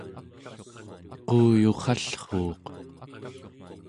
quuyurrallruuq